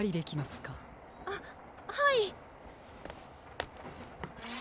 あっはい。